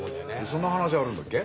そんな話あるんだっけ？